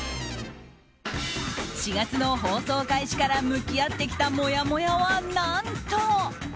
４月の放送開始から向き合ってきたもやもやは何と。